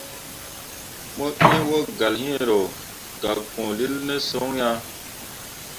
Mo ĩĩ wogalle hĩĩ ro gak pũũlil ne son ah.